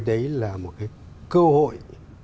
đấy là một cái cơ hội